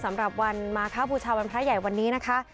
สำหรับวันมาข้าวบูชาวันพระใหญ่วันนี้นะคะ